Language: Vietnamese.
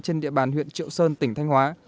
trên địa bàn huyện triệu sơn tỉnh thanh hóa